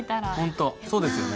本当そうですよね。